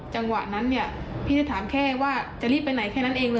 จังหวะนั้นเนี่ยพี่จะถามแค่ว่าจะรีบไปไหนแค่นั้นเองเลย